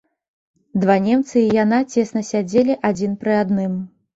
Два немцы і яна цесна сядзелі адзін пры адным.